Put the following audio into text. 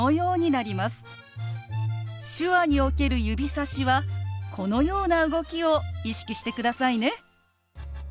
手話における指さしはこのような動きを意識してくださいね。